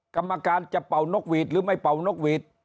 กรรมการจะเป่านกหวีดหรือไม่เป่านกหวีด